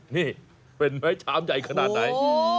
นี่เป็นไม้ชามใหญ่ขนาดไหน